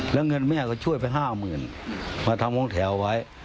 แล้วเงินแม่ก็ช่วยไป๕๐๐๐มาทำห้องแถวไว้